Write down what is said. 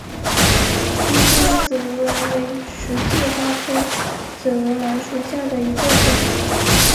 新疆紫罗兰为十字花科紫罗兰属下的一个种。